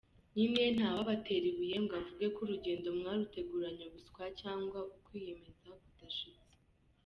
Nyine ntawabatera ibuye ngo avuge ko urugendo mwaruteguranye ubuswa cyangwa ukwiyemeza kudashyitse.